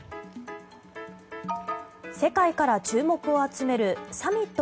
世界から注目を集めるサミット